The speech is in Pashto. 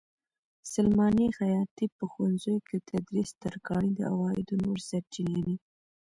سلماني؛ خیاطي؛ په ښوونځیو کې تدریس؛ ترکاڼي د عوایدو نورې سرچینې دي.